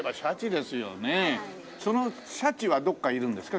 そのシャチはどっかいるんですか？